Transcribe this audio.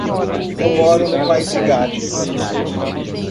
Eu moro no País de Gales.